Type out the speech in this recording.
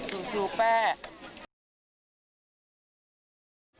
อืมสู้แป๊ะ